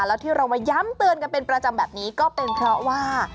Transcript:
แล้วที่เรามาย้ำเตือนกันเป็นประจำแบบนี้ก็เป็นเพราะว่า